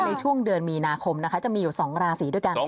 ในช่วงเดือนมีนาคมนะคะจะมีอยู่๒ราศีด้วยกัน